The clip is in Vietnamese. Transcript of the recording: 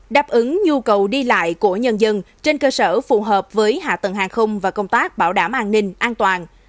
đáp ứng nhu cầu đi lại của nhân dân trên cơ sở phù hợp với hạ tầng hàng không và công tác bảo đảm an ninh an toàn